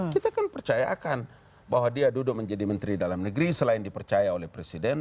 kita kan percayakan bahwa dia duduk menjadi menteri dalam negeri selain dipercaya oleh presiden